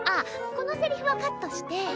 このセリフはカットして。